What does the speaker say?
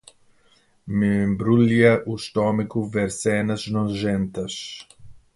Me embrulha o estômago ver cenas nojentas.